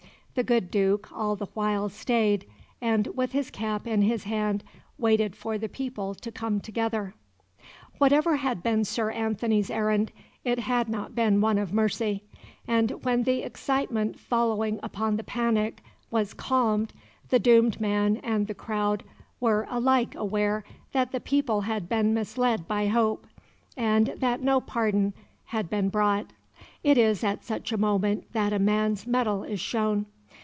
The good Duke all the while stayed, and, with his cap in his hand, waited for the people to come together." Whatever had been Sir Anthony's errand, it had not been one of mercy; and when the excitement following upon the panic was calmed the doomed man and the crowd were alike aware that the people had been misled by hope, and that no pardon had been brought. It is at such a moment that a man's mettle is shown.